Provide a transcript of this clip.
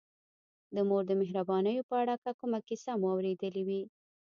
د مور د مهربانیو په اړه که کومه کیسه مو اورېدلې وي.